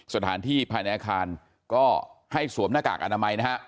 สถานที่ภายในอาคารก็ให้สวมหน้ากากอนามัยนะฮะ